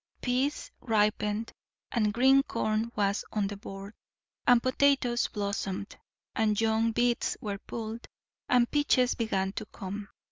Peas ripened, and green corn was on the board, and potatoes blossomed, and young beets were pulled, and peaches began to come.